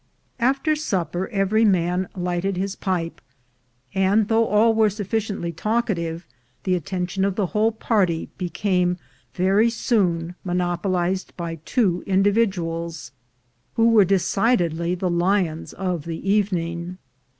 After supper, every man lighted his pipe, and though all were sufficiently talkative, the attention of the whole party became very soon monopolized by two individuals, who were decidedly the lions of the evening.